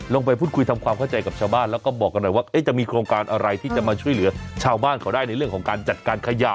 ลงไปพูดคุยทำความเข้าใจกับชาวบ้านแล้วก็บอกกันหน่อยว่าจะมีโครงการอะไรที่จะมาช่วยเหลือชาวบ้านเขาได้ในเรื่องของการจัดการขยะ